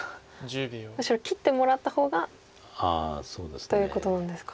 むしろ切ってもらった方がということなんですか。